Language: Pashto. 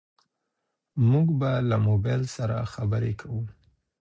موږ به له موبايل سره خبرې کوو.